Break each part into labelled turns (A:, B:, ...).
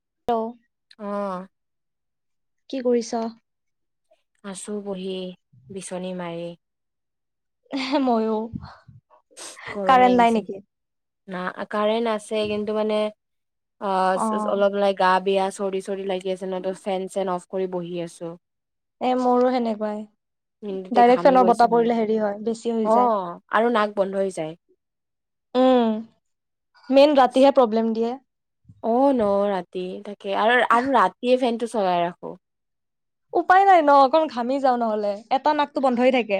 A: Hello
B: আহ
A: কি কৰিছ
B: আচো বহি বিচনী মাৰি
A: হে মইয়ো
B: গৰম
A: কাৰণ্ট
B: লাগিছে
A: নাই নেকি
B: না কাৰেণ্ট আছে কিন্তু মানে অ অলপাই গা বিয়া চৰি চৰি লাই কি আছিল ফেন চেন অফ কৰি বহি আছোঁ।
A: এ মোৰো সেনেকোৱাই
B: মিনিটতে
A: ডাইৰেক্ট
B: ঘামি
A: ফেনৰ
B: গৈছো
A: বতাহ
B: মই
A: পৰিলে হেৰি হয় বেছি হৈ যায়
B: অ' আৰু নাক বন্ধ হৈ যায়
A: উম মেইন ৰাতিহে প্ৰব্লেম দিয়ে
B: অ ন ৰাতি তাকে আৰু আৰু ৰাতিয়ে ফেন টো চলাই ৰাখো
A: উপায় নাই ন অকণ ঘামি যাওঁ নহলে এটা নাকটো বন্ধই থাকে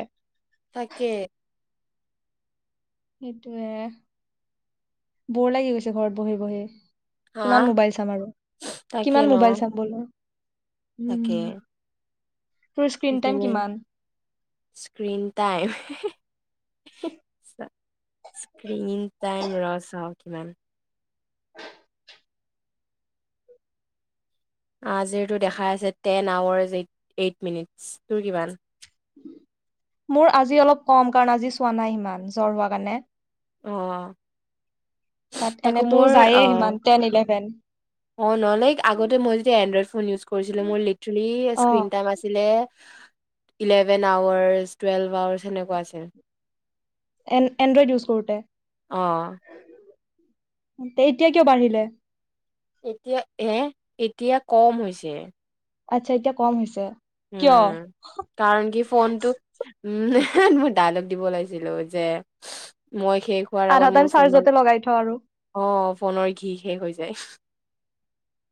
B: থাকে
A: এ বৰ লাগি গৈছে ঘৰত বহি বহি
B: হা
A: কিমান মোবাইল চাম আৰু
B: তাকে
A: কিমান
B: ন
A: মোবাইল চাম বোলো উম তোৰ স্ক্ৰীন টাইম
B: ইভিনে
A: কিমান?
B: স্ক্ৰীন টাইম স্ক্ৰন টাইম ৰছ হ কিমান আ যিহেতটো দেখা আছে তোৰ কিমান
A: মোৰ আজি অলপ কম কাৰণ আজি চোৱা নাই ইমান জ্বৰ হোৱা কাৰণে
B: অ
A: বাট
B: তাকো
A: এনেতো
B: মোৰ
A: যায়ে
B: অ
A: সিমান টেন ইলেভেন
B: অ নলেক আগতে মই য এনড্ৰইড ফোন ইউজ কৰিছিলো মোৰ লিটেলি
A: অ
B: স্কন টাইম আছিলে ইলেভেন আৱাৰ্চ টুৱেল্ভ আৱাৰ্চ সেনেকুৱা আছিল
A: এ এনড্ৰইড ইউজ কৰোঁতে
B: অ
A: এতিয়া কিয় বাঢ়িলে
B: এতিয়া এ এতিয়া কম হৈছে
A: আচ্ছা এতিয়া কম হৈছে কিয়
B: উম কাৰণ কি ফোনটো উম মই ডাইলগ দিব লাগাইছিলো যে মই শেষ হোৱাৰ
A: আধা
B: আগত
A: টাইম
B: মোৰ ফোনৰ
A: চাৰ্জতে লগাই থ আৰু
B: অ ফোনৰ ঘি শেষ হৈছে সেই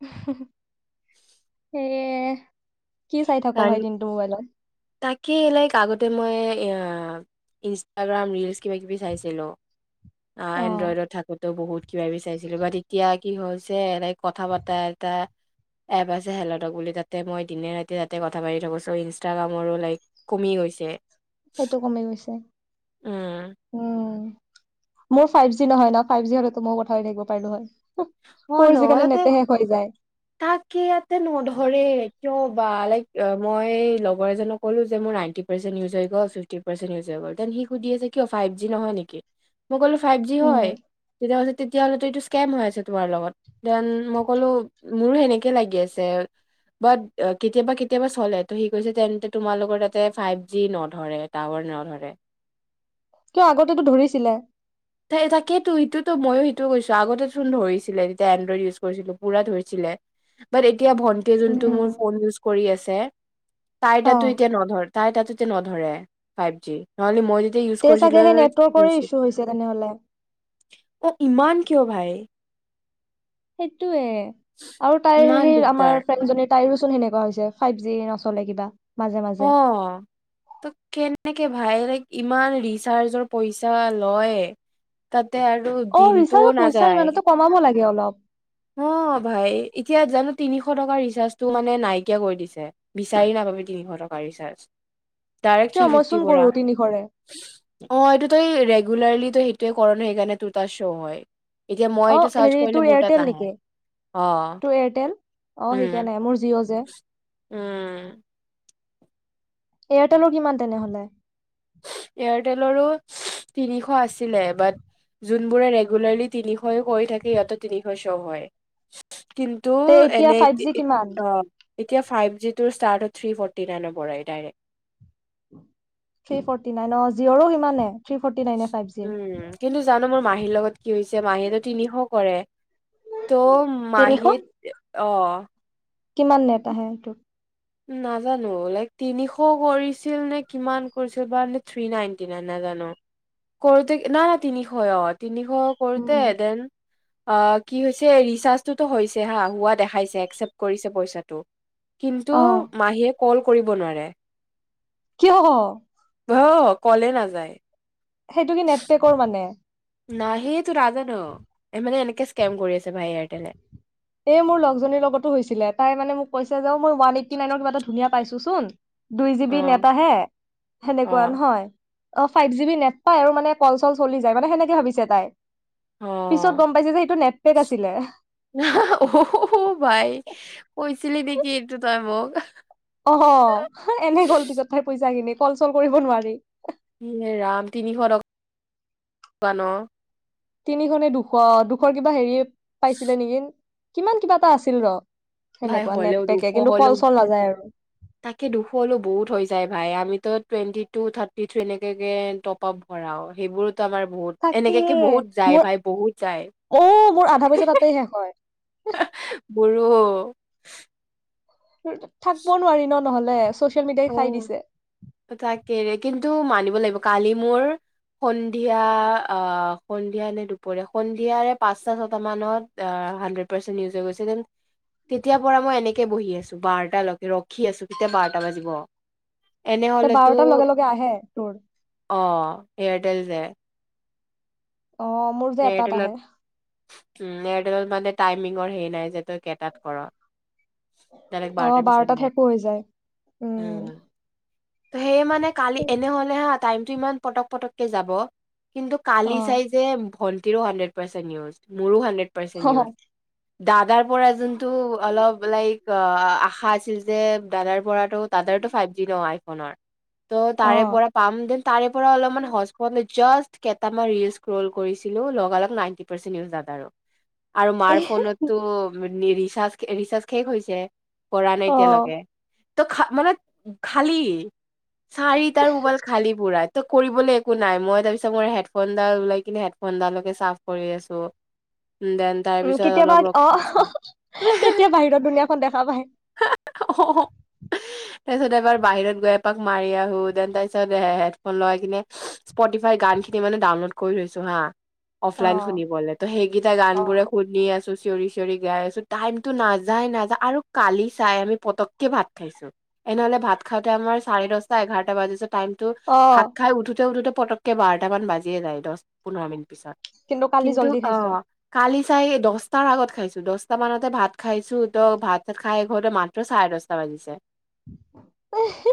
A: উম এইএ এ কি চাই থাক ভাই দিনটো মোবাইলত
B: তাকেই লাইক আগতে মই এ ইনষ্টাগ্ৰাম ৰিলচ কিবা কিবি চাইছিলো আই
A: অ
B: এড্ৰইডত থাকোতে বহুত কিবা বিচাৰিছিলো বা তেতিয়া কি হৈছে এনেক কথা বতা এটা এবাৰছে হেলতক বুলি তাতে মই দিনে ৰাতি দিনে ৰাতিয়ে কথা পাতি থাকব চ' ইনষ্টাগ্ৰামৰো লাইক কমি গৈছে
A: সেইটো কমি গৈছে
B: উম
A: উম মোৰ ফাইভ জি নহয় ন ফাইভ জি হলেতো মই কথা থাকিব পাৰিলো হয়
B: মই
A: মোৰ আজি কালি
B: নহয়তে
A: নেটে শেষ হৈ যায়
B: তাকে ইয়াতে নধৰে কিয় লাইক মই লগৰ এক কলো যে মোৰ নাইটি পাৰ্চউজ হৈল ফটি পাৰজ হৈ গলন সি সুধি আছে কিয় ফাইভ জি নহয় নেকি মই কলো ফাইভ জি
A: উম
B: হয় তেতি তেতিয়াহ'লেতো এইটো স্কেম হৈ আছে তোমাৰ লগত দেন মই ক'লো মোৰো সেনেকে লাগি আছে ব কেতিয়াবা কেতিয়াবা চলে ত সি কৈছে যে তেন্তে তোমালোকৰ তাতে ফাইভ জি নধৰে টাৱাৰ নধৰে
A: কিয় আগতেতো ধৰিছিলে
B: তাকেটো সটোতো ময়ো সেইটো কৈ আগতেচোন ধৰিছিলে তেতিয়া এডইড ইউজ কৰিছিলো পুৰা ধৰিছিলে এতিয়া ভণ্ট এতিয়া যোনটো মোৰ
A: উম
B: ফোনউজ কৰি আছে তাই
A: অ
B: তাতো এতিয়া নধৰে তাই তাতেতে নধৰে ফাইভ জি নহলে মই য
A: এতিয়া চাগে সেই নেটৱৰ্কৰে ইছ্যু হৈছে তেনেহলে
B: অ ইমান কিয় ভাই
A: সেইটোয়ে আৰু তাইৰ
B: ইমান
A: সেই আমাৰ
B: দিগদাৰ
A: ফ্ৰেনজনী তাওঁ সেনেকুৱা হৈছে ফাইভ জি নচলে কিবা মাজে
B: অ
A: মাজে
B: ত কেনেক ভাই লাইক ইমান ৰিচাৰ্জৰ পইচা লয় তাত
A: অ ৰিচাৰ্জৰ পইচা ইমান কমাব লাগে অলপ
B: অ ভাই এতিয়া জানো তিনিশ টকাৰ ৰিচাৰ্জটো মানে নাইকিয়া কৰি দিছে বিচাৰি নাপাবি তিনিশ টকা ৰিচাৰ্জ ডাইৰেক্ট
A: কিয়
B: থ্ৰী
A: মই
B: ফিফটিৰ
A: চোন কৰো
B: পৰা
A: তিনিশৰে
B: অ এইটো তাই ৰেগুলৰলী সেইটো কৰণো সেইকাৰণে তোৰ তাত শো হয় এতিয়া মই
A: অ
B: এইটো চাৰ্চ
A: হেৰি
B: কৰিলে
A: তোৰ
B: মোৰ তাত
A: এয়াৰটেল
B: নাহে
A: নেকি
B: অ'।
A: তোৰ এয়াৰটেল আ সেই
B: উম,
A: কাৰণে মোৰ কয় যে
B: উম
A: এয়াৰটেলৰ কিমান তেনেহ'লে
B: এয়াৰটেলৰো তিনিশ আছিলে বাট যোনবোৰে ৰেগুলাৰলি তিনিশ কৰি থাকে ইিহঁতে তিনিশ শ হয় কিন্তু
A: তে এতিয়া
B: এনে
A: ফাইভ
B: এতি
A: জি কিমান
B: অ এতিয়া ফাইভ জি টু ষ্টাৰটো থ্ৰী ফ'ৰ্টি নাইনৰ পৰাই ডাইৰেক্ট
A: থ্ৰী ফৰ্টি নাইন অ জঅৰো কিমানে থ্ৰ্ৰী ফ'ৰ্টি নাইনে ফাইভ জিৰ'
B: উম, কিন্তু জানো মোৰ মাহীৰ লগত কি হৈছে মহীৰো তিনিশ কৰে। ত',
A: তিনিশ
B: মাহীত অ'
A: কিমান নেত আহে এইটোত?
B: নাজানো, লাইক তিনিশ কৰিছিল নে কিমান কৰিছিল বা নে থি নাইনটি নাই নাজানো? কৰোতে, নাই নাই তিনিশ অ, তিনিশ সৌ কৰোঁতে
A: উম
B: এদিন অ কি হৈছে, ৰিচাৰ্জটোতো হৈছে হা, হোৱা দেখাইছে। একচেপট কৰিছে পইচাটো। টো
A: অ
B: মাহীয়ে কল কৰিব নোৱাৰে।
A: কিয়?
B: অ কলে নাযায়।
A: সেইটো কি নেটটেকৰ মানে?
B: নাহে টো তাকেত, মানে এনেকে স্কেম কৰি আছে ভাই এয়াৰটেলে।
A: এই মোৰ লগজনীৰ লগতো হৈছিলে, তাই মানে মোক কৈছে হ'লেও ই ৱান এইটি নাই কা ধুনীয়া পাইছো চোন? দুই জিব
B: অ'
A: নেতাহে, সেনেকুৱা
B: অ'
A: নহয়? অ ফাইভ জি বি নেট পায় আৰু মানে কল চল চলি যায়, মানে সেনেকে ভাবিছে তাই। পিছত
B: অ'
A: গম পাইছে যে এইটো নেটপেক আছিলে।
B: অহ-সহ ভাই, কৈছিলি নেকি এইটোত তাই মোকক?
A: অ' এনেহে গ'ল পিছত, তাইৰ পইচা কিনিত কল চল কৰিব নোৱাৰি।
B: ৰাম তিনিশ টকা, পোৱা ন?
A: তিনিখনে দুশ-দুশৰ কিবা হেৰি, পাইছিলে নেকি? কিমান কিবা এটা আছিল ৰ
B: ভাই
A: সেনেকুৱা নেট
B: হ'লেও দুখ
A: পেকে কিন্তু
B: হলেও,
A: কল চল নাযায় আৰু
B: তাকে দুখ হ'লেও বহুত হৈ যায় ভাই আমিতো টুৱেণ্টি টু, থাৰ্টি থ্ৰী এনেকাকে টপ আপ ভৰাও, সেইবোৰত
A: তাকেই! মোৰ
B: বহুত যায়
A: অ' মোৰ আধা পইচা তাতেই শেষ হয়।
B: মোৰো'
A: থাকিব নোৱাৰি ন? নহ'লে ছ'চিয়েল মিডিয়াই খাই
B: অ'
A: দিছে।
B: তাকেৰে কিন্তু মানিব লাগিব কালি মোৰ সন্ধিয়া সন্ধিয়া নে দুপৰীয়া মানিব লাগিব, কালি মোৰ--সন্ধিয়া আ' সন্ধিয়া নে দুপৰীয়া, সন্ধিয়াৰে পাঁচটা ছটা মানত হাডড পাৰ্চেন্ট উজ হৈ গৈছে দেন--তেতিয় পৰা মই এনেকে বহি আছো বাৰ্তা লৈকে, ৰখি আছো কেতিয়া বাৰটা বিব। ৱাহ।
A: ত বাৰটাৰ লগে লগে আহে
B: অ এয়াৰটেল যোয়
A: অ মোৰ যে এটাত আহে
B: নেটৰ কাৰণে টাইমিঙৰ হেই নাই যে তাত ডাইৰেক্ট
A: আহ
B: বাৰটাৰ পিছত
A: বাৰটাত
B: নিয়ে
A: হে হৈ যায় উম
B: সে মানে কালি এনেহ'লে শা টাইমটো ইমান পটক পটককে যাব কিন্তু কালি
A: অ
B: চাই যে ভন্তিৰো হান্দেত পাৰ্চেন্ত নিউজ মোৰো হান্দেত পাৰ্চন ইউচ দাদাৰ পৰা যোনটো অলপ লাইক অ আশা আছিল যে দাদাৰ পৰা ত তাদতেতটো ফাইভ জি নহয় খনৰ ত'
A: অ
B: তাৰে পৰা পাম দিন তাৰে পৰা অলপমান হস্পপত লৈ জাষ্ট কেইটামান ৰিল স্কৰ্ল কৰিছিলো লগালক নাইনটি পাৰ্চন্ আৰু আৰু মাৰ
A: এ
B: ফোনততো ৰিচাৰ্জ ৰিচাৰ্জ শেষ হৈছে কৰা নাই
A: অ
B: এতিয়ালৈকে ত খ মানে খালি চাৰি তাৰ মুবাল খালী পুৰাত ত কৰিবলৈ একো নাই মই তাৰ পিছত মোৰ হেডফোনডাল লাইক কিন্তু হেডফোনডালকে চা্ফ কৰি আছো দেন তাৰ
A: উ
B: পিছত
A: কেতিয়াবা
B: অলপ ৰখি
A: আহ
B: আছো
A: তেতিয়া বাহিৰত দুুনীয়াখন দেখা পায়
B: তাৰ পিছত এবাৰ বাহিৰত গৈ এপাক মাৰি আহো দেন তাৰ পিছত এ হেডফোন লাই কিনে স্পটিফাই গান খিনি মানে ডাউনলোড কৰি থৈছ চহা অফলাইন
A: অ
B: শুনিবলে ত সেইকেইটা গান
A: অ
B: বোৰে শুনি আছো চিঞৰি চিঞৰি গাই আছো টাইমতটো নাযাই নাযা আৰু কালি চাই আমি পতককে ভাত খাইছো এনেহলে ভাত খাওঁতে আমাৰ চাৰে দশটা এঘাৰটা বাজত টাইমটো
A: অ
B: ভাত খাই উঠোতে উঠোতে পটককে বাৰটা মান বাজিয়ে যায় দশ পোন্ধৰ মিনিত পিছত
A: কালি
B: কিন্তু
A: জল্দি
B: অ
A: খাইছ
B: কালি চাই দহটাৰ আগত খাইছো দহটা মানতে ভাত খাইছো ত ভাত চাত খাই ঘৰতে মাত্ৰ চাৰে দহটা বাজিছে
A: ওহো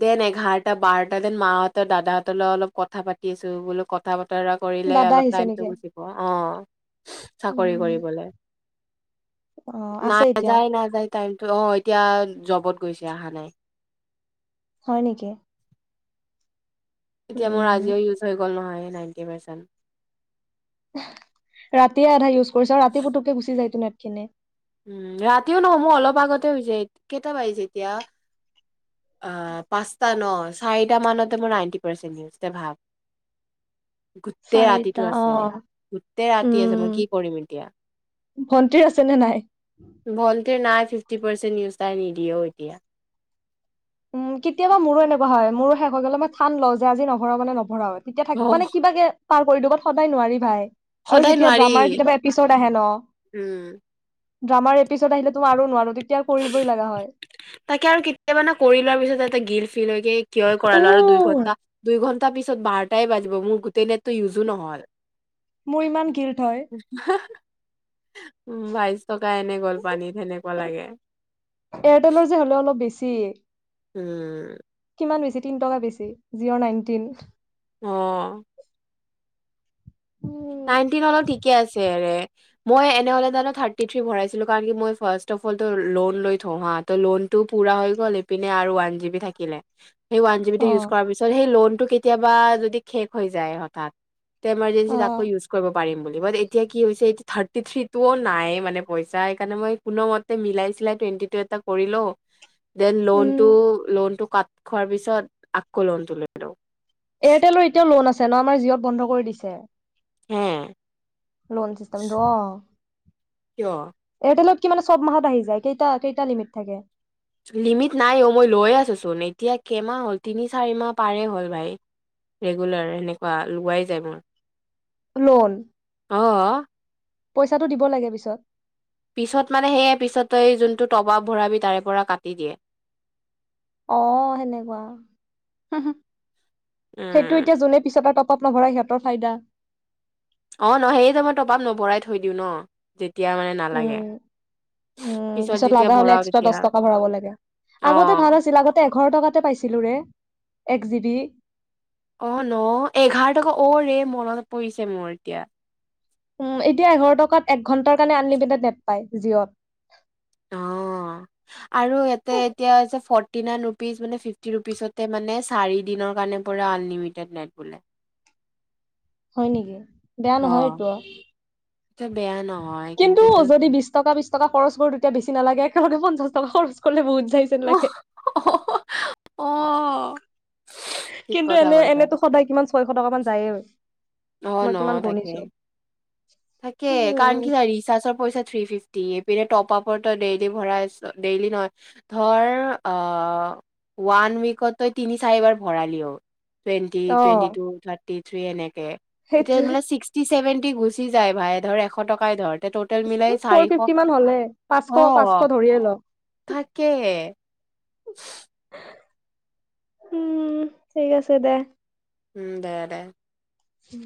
B: দেন এঘাৰটা বাৰটা দেন মাহতৰ দাদাহঁতৰলৈ অলপ কথা পাতি আছো বোল কথা কৰিলে
A: দাদা
B: অলপ
A: আহিছে নেকি
B: টাইমটো গুচিব অ চাকৰি
A: উম
B: কৰিবলে
A: অ আছে
B: নাই
A: এতিয়াও
B: যায় নহয় টাইমটো অ এতিয়া জবত গৈছে অহা নাই
A: হয় নেকি
B: এতিয়া মোৰ
A: উম
B: আজিও ইউজ হৈ গ'ল নহয় নাইটি পাৰ্চেণ্ট
A: ৰাতিয়ে আধা ইউজ কৰিছ আৰু ৰাতি পুতুককে গুচি যায় তো নে কেনে
B: উম ৰাতিও নহয় মোৰ অলপ আগতে হৈছে কেইটা বাজিছে এতিয়া অ পাঁচটা ন চাৰিটা মানতে মোৰ নাইটি পাৰ্চেণ্টিজ তই ভাৱ গোটেই ৰাতিটো
A: অ
B: আছে গোটেই ৰাতি আছে
A: উম
B: মই কি কৰিম এতিয়া
A: ভন্টিৰ আছে নে নাই
B: ভল নাই ফিফটি পাৰ্চেনট নিউজ তাই নিদিয়ে এতিয়া
A: উম কেতিয়াবা মোৰো এনেকুৱা হয় মোৰো শেষ হৈ গ'লে মই ঠান ল যেজি নভৰাও মানে নভৰাও তেতিয়া থাক
B: অ',
A: মানে কিবাকে পাৰ কৰি দবাত সদায় নোৱাৰি ভাই আৰু
B: সদায়
A: যেতিয়া
B: নোৱাৰি
A: ড্ৰামাৰ কেতিয়াবা এপিচড আহে ন
B: উম
A: ড্ৰামাৰ এপিছড আহিলে আৰু নোৱাৰো তেতিয়া কৰিবই লগা হয়
B: তাকে আৰু কেতিয়া মানে কৰিল তাৰ পিছত এটা গিল ফিল হয়গে কিয়ই
A: উ
B: কৰালো আৰু দুই ঘণ্টা দুই ঘণ্টা তাৰ পিছত বাৰটাই বাজিব মোৰ গোটেই নেটটো ইউজো নহল
A: মোৰ ইমান গিলট হয়
B: উম বাইছ টকা এনে গ'ল পানীত সেনেকুৱা লাগে
A: এয়াৰটেলৰ যে হ'লে অলপ বেছি
B: উম
A: ইমান বেজি তিন টকা বেছি Jio nineteen
B: uh
A: um
B: nineteen হলো ঠিকে আছে ৰে মই এনেই হলে জান থাৰ্টি থি ভৰাইছিলো কাৰণ কি মই ফাৰ্ষ্ট অ ফলটো লোন লৈ থও হা লোনতো পূৰা হৈ গল ইপিনে আৰু ওৱান জিবি থাকিলে সেই ৱান জিবিটো
A: অ
B: ইউজ কৰাৰ পিছত সেই লোন টো কেতিয়াবা যদি শেষ হৈ যায় হঠাৎ তে এমাৰজেঞ্চি
A: অ
B: ইউজ কৰিব পাৰিম বুলি বাত এতিয়া কি হৈছে থাৰটি থ্ৰিটোও নাই মানে পইচা সেইকাৰণে মই কোনো মতে মিলাই চিলাই টুৱেন্টি টো এটা কৰি লও দেন
A: উম
B: লোনটো, লোনটো কাত খোৱাৰ পিছত আকলনটো লৈ লওঁ।
A: এয়াৰটেলৰ এতিয়াও লোন আছে ন? আমাৰ জিঅত বন্ধ কৰি দিছে।
B: হম',
A: লন চিষ্টষ্টম দ
B: কিয়?
A: এত কি মানে চব মাহত আহি যায় কেইটা? কেইটা লিমিট থাকে?
B: লিমিট নাই অ' মই লৈ আছোঁচোন এতিয়া কেইমাহ হ'ল তিনি, চাৰিমাহ পাৰেই হ'ল ভাই ৰেগুলাৰ সেনেকুৱা লোৱাই যায় মোৰ।
A: লোন
B: অ',
A: পইচাটো দিব লাগে পিছত।
B: পিছত মানে সেয়ে পিছতেই যোনটো টপাব ভৰাবি তাৰে পৰা কাটি দিয়ে
A: আহ সেনেকুৱা হুহ হুহ সেইটো
B: উম
A: এতিয়া যোনে পিছত আ তত টপ নভৰাই সিহঁতৰ ফাইদা
B: অ ন হেৰি টাইমত যে মই টপ আপ নভৰাই থৈ দিওঁ ন যে
A: উম উম পিছত
B: যেতিয়া
A: লাগা হলে
B: ভৰাও
A: এক্সট্ৰা
B: তেতিয়া
A: দহ টকা ভৰাব লাগে
B: অ
A: আগতে ভাল আছিল আগতে এঘাৰো টকাতে পাইছিলোঁ ৰে এক জি বি
B: অ ন এঘাৰ টকা অ ৰে মনত পৰিছে মোৰ এতিয়া
A: উ এতিয়া এঘাৰ টকাত এক ঘণ্টাৰ কাৰণে আনলিমিটেড নেট পায় জিঅ'ত
B: অঁ আৰু ইয়াতে এতিয়া হৈছে ফৰ্টি নাইন ৰুপিজ মানে ফিফটি ৰুপিচতে মানে চাৰিদিনৰ কাৰণে পৰা আনলিমিটেড নেট বোলে
A: হয় নেকি বেয়া
B: অ
A: নহয় এইটো
B: টো বেয়া নহয়
A: কিন্তু
B: তো
A: যদি বিশ টকা বিশ টকা খৰচ কৰো তেতিয়া বেছি নালাগে একেলোকে পঞ্চাশ টকা খৰচ কৰলে বহুত সেইবিলাকে
B: অঁ
A: কিন্তু এনে এনেতো সদায় কিমান ছয়শ টকা মান যায়ে
B: অ
A: মই
B: ন
A: কিমান
B: তাকে
A: গণিছো।
B: তাকে কাৰণ কি
A: উম
B: ৰিচাৰ্জৰ পইচা থ্ৰী ফিফটি ইপিনে টপ আপতই তই ডেইলি ভৰাইছ ডেইলি নহয় ধৰ আহ ওৱান উইকত তই তিনি চাৰিবাৰ ভৰালিও টুৱেন্টি টুৱেন্টি
A: অ'
B: টো থাৰ টি থি এনেকে তেতিয়া
A: সেইটোৱে
B: মানে চিষ্ট চি ছেভেণ্টি গুচি যায় ভাই ধৰ এশ টকাই ধৰ তে ট'টেল মিলাই
A: ফ'ৰ
B: চাৰিশ
A: ফিফটি মান হলে পাঁচশ
B: অ
A: পাঁচশ ধৰিয়ে ল
B: থাকে
A: উম ঠিক আছে দে
B: উম দে দে
A: উম